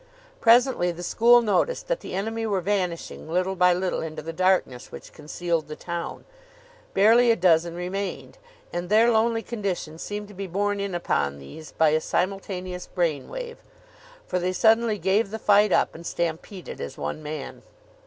Presently the school noticed that the enemy were vanishing little by little into the darkness which concealed the town. Barely a dozen remained. And their lonely condition seemed to be borne in upon these by a simultaneous brain wave, for they suddenly gave the fight up, and stampeded as one man.